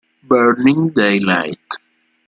Burning Daylight